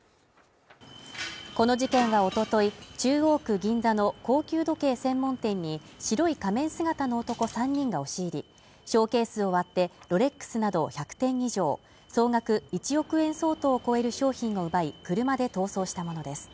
この事件はおととい中央区銀座の高級時計専門店に白い仮面姿の男３人が押し入り、ショーケースを割って、ロレックスなど１００点以上、総額１億円相当を超える商品を奪い車で逃走したものです。